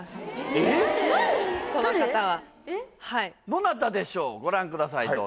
その方はどなたでしょうご覧ください